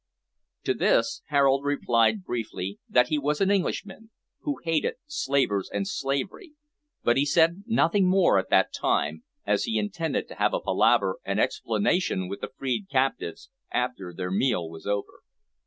To this Harold replied briefly that he was an Englishman, who hated slavers and slavery, but he said nothing more at that time, as he intended to have a palaver and explanation with the freed captives after their meal was over.